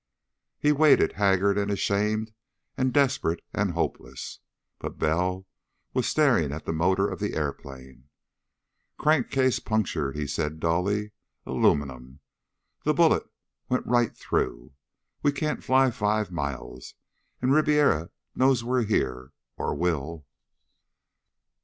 He waited, haggard and ashamed and desperate and hopeless. But Bell was staring at the motor of the airplane. "Crankcase punctured," he said dully. "Aluminum. The bullet went right through. We can't fly five miles. And Ribiera knows we're here or will."